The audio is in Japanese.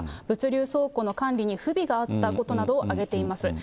物流倉庫の管理に不備があったことなどを挙げています。